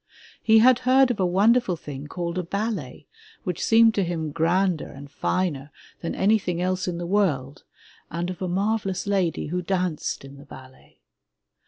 He had heard of a won derful thing called a ballet which seemed to him grander and finer than anything else in the world, and of a marvelous lady who danced in the ballet.